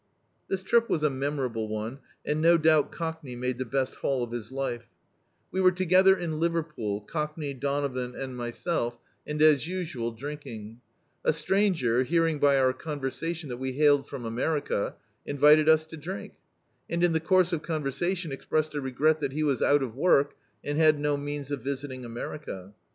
This trip was a memorable one, and no doubt Cockney made the best haul of his life. We were ti^ther in Liverpool, Cockney, Donovan and my [iij] D,i.,.db, Google The Autobiography of a Super Tramp self, and as usual drinking. A stranger, bearing by our conversation that we hailed from America, ' invited us to drink; and in the course of conversa tion expressed a regret that he was out of work, and had no means of visiting America.